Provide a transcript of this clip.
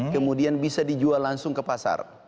kemudian bisa dijual langsung ke pasar